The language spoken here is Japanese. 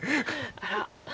あら。